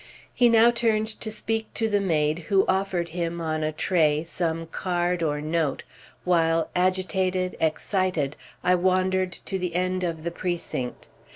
He now turned to speak to the maid, who offered him, on a tray, some card or note, while, agitated, excited, I wandered to the end of the precinct.